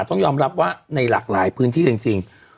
ต้องยอมรับว่าในหลากหลายพื้นที่จริง